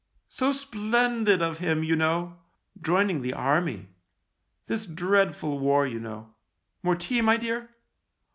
" So splendid of him, you know, join ing the Army. This dreadful war, you know. More tea, my dear.